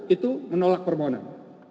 tujuh satu itu menolak permohonan